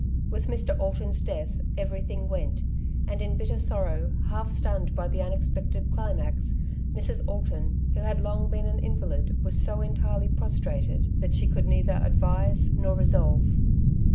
With Mr. Alton's death every thing went, and in bitter sorrow, half stunned by the unexpected climax, Mrs. Alton, who had long been an invalid, was so entirely prostrated that she could neither advise nor resolve.